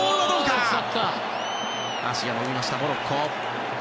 足が伸びました、モロッコ。